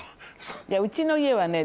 うちの家はね